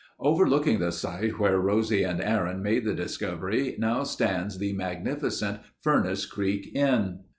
Overlooking the site where Rosie and Aaron made the discovery, now stands the magnificent Furnace Creek Inn.